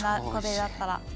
これだったら。